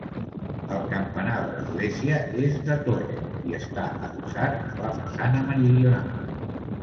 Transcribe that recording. El campanar de l'església és de torre, i està adossat a la façana meridional.